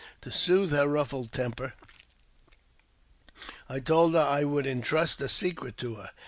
To soothe her ruffled temper, I told her I would intrust a secret her.